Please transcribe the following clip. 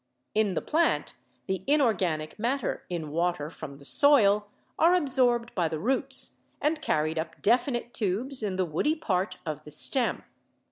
In the plant the inorganic mat ter in water from the soil are absorbed by the roots and carried up definite tubes in the woody part of the stem.